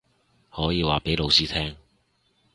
可以話畀老師聽